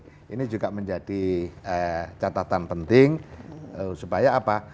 nah ini juga menjadi catatan penting supaya apa